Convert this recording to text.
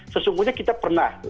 sesungguhnya kita pernah